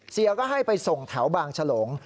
เสียก็ให้ไปส่งแถวบางฉลง